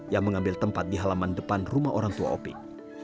yang mengambil tempat di halaman depan rumah orang tua opik